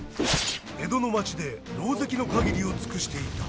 江戸の街でろうぜきの限りを尽くしていた。